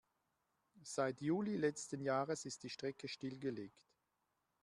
Seit Juli letzten Jahres ist die Strecke stillgelegt.